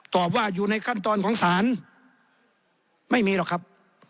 ตอบว่าอยู่ในขั้นตอนของศาลไม่มีหรอกครับ